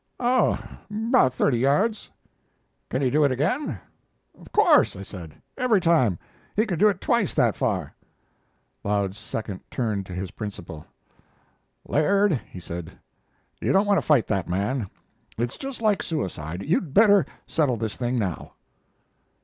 "Oh, about thirty yards." "Can he do it again?" "Of course," I said; "every time. He could do it twice that far." Laud's second turned to his principal. "Laird," he said, "you don't want to fight that man. It's just like suicide. You'd better settle this thing, now."